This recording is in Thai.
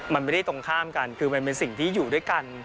ไม่ใช่ตรงข้ามกันเขามีความสุขอยู่เท่าโขลย